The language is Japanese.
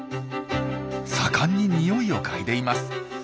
盛んににおいを嗅いでいます。